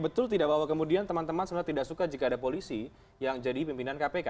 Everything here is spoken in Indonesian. betul tidak bahwa kemudian teman teman sebenarnya tidak suka jika ada polisi yang jadi pimpinan kpk